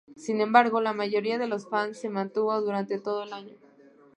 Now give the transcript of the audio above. Sin embargo la mayoría de los fans se mantuvo durante todo el año.